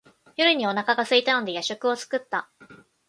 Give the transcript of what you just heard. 夜にお腹がすいたので夜食を作った。